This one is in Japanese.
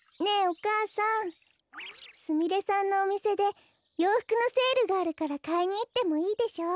お母さんすみれさんのおみせでようふくのセールがあるからかいにいってもいいでしょ？